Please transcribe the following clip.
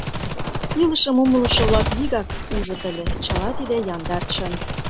Илышым умылышо-влак вигак ужыт ыле: чыла тиде яндар чын.